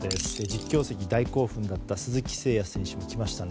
実況席が大興奮だった鈴木誠也選手もきました。